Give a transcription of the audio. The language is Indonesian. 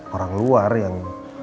orang luar yang